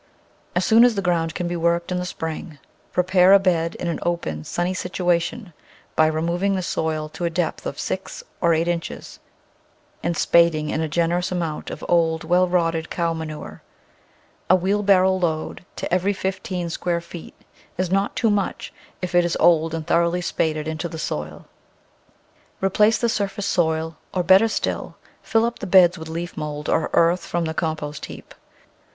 As soon as the ground can be worked in the spring prepare a bed in an open, sunny situation by removing the soil to a depth of six or eight inches and spading in a generous amount of old, well rotted cow manure — a wheelbarrow load to every fifteen square feet is not too much if it is old and thoroughly spaded into the soil. Replace the surface soil, or, better still, fill up the beds with leaf mould or earth from the compost heap.